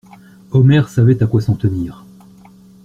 Omer savait à quoi s'en tenir.